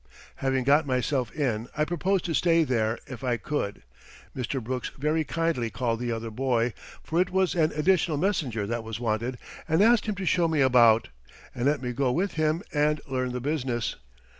Having got myself in I proposed to stay there if I could. Mr. Brooks very kindly called the other boy for it was an additional messenger that was wanted and asked him to show me about, and let me go with him and learn the business.